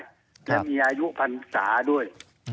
และมีอายุพันศาด้วย